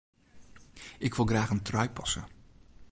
Ik wol graach in trui passe.